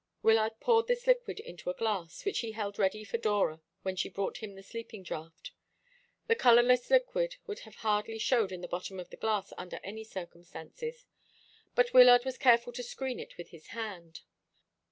Wyllard poured this liquid into a glass, which he held ready for Dora when she brought him the sleeping draught. The colourless liquid would have hardly showed in the bottom of the glass under any circumstances, but Wyllard was careful to screen it with his hand.